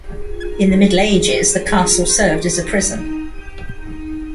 In the Middle Ages, the castle served as a prison.